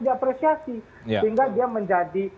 diapresiasi sehingga dia menjadi